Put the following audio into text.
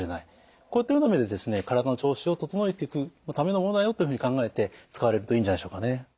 こういったような意味で体の調子を整えていくためのものだよというふうに考えて使われるといいんじゃないでしょうかね。